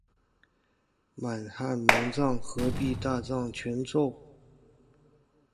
滿漢蒙藏合璧大藏全咒